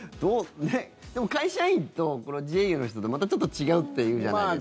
でも、会社員と自営業の人でまたちょっと違うっていうじゃないですか。